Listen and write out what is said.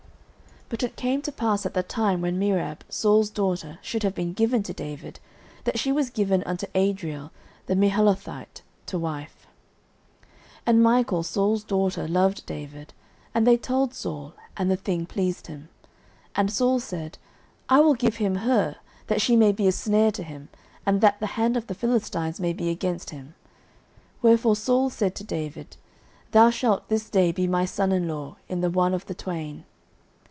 09:018:019 But it came to pass at the time when Merab Saul's daughter should have been given to David, that she was given unto Adriel the Meholathite to wife. 09:018:020 And Michal Saul's daughter loved David: and they told Saul, and the thing pleased him. 09:018:021 And Saul said, I will give him her, that she may be a snare to him, and that the hand of the Philistines may be against him. Wherefore Saul said to David, Thou shalt this day be my son in law in the one of the twain.